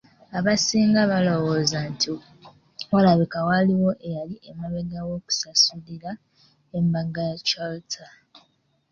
Abasinga balowooza nti walabika waaliwo eyali emabega w’okusasulira embaga ya Chalter.